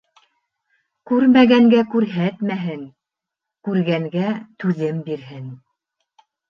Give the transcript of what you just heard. Күрмәгәнгә күрһәтмәһен, күргәнгә түҙем бирһен.